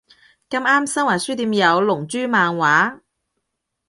咁啱新華書店有龍珠漫畫